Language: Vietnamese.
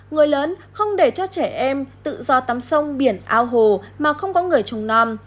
người lớn không để cho trẻ em tự do tắm sông biển ao hồ mà không có người trung non